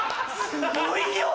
すごいよ。